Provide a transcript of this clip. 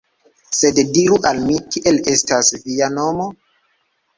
Sed diru al mi, kiel estas via nomo?